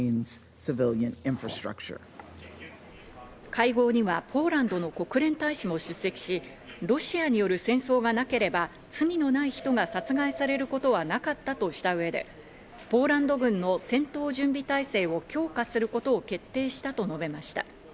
会合にはポーランドの国連大使も出席し、ロシアによる戦争がなければ罪のない人が殺害されることはなかったとした上でポーランド軍の戦闘準備態勢を強化することを決定したと述べました。